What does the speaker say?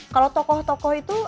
kalau tokoh tokoh itu